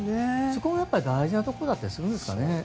そこも大事なところだったりするんですかね。